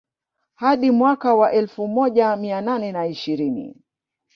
Hadi mwaka wa elfu moja mia nane na ishirini